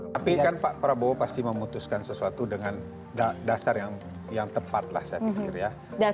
tapi kan pak prabowo pasti memutuskan sesuatu dengan dasar yang tepat lah saya pikir ya